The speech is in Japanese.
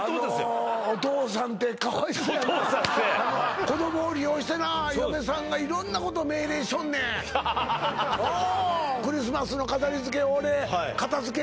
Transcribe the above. あのお父さんってかわいそうやな子どもを利用してな嫁さんが色んなこと命令しよんねんおおクリスマスの飾りつけ俺片づけ